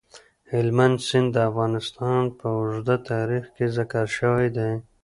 هلمند سیند د افغانستان په اوږده تاریخ کې ذکر شوی دی.